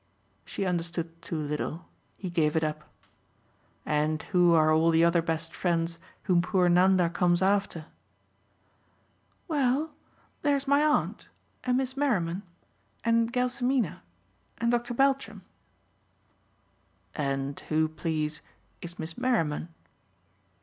She understood too little he gave it up. "And who are all the other best friends whom poor Nanda comes after?" "Well, there's my aunt, and Miss Merriman, and Gelsomina, and Dr. Beltram." "And who, please, is Miss Merriman?"